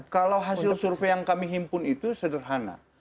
kalau hasil survei yang kami himpun itu sederhana